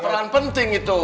peran penting itu